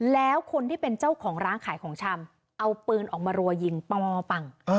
แล้วคนที่เป็นเจ้าของร้านขายของชำเอาปืนออกมารัวยิงปมฝั่ง